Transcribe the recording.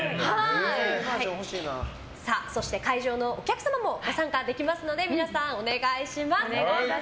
会場のお客様もご参加できますので皆さん、お願いします。